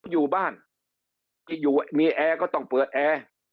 อยู่บ้านจะอยู่มีแอร์ก็ต้องเปิดแอร์